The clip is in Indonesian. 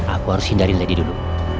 aku harus hindari tadi dulu